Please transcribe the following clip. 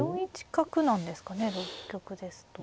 同玉ですと。